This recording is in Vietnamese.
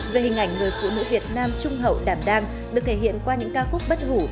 về hình ảnh người phụ nữ việt nam trung hậu đảm đang được thể hiện qua những ca khúc bất hủ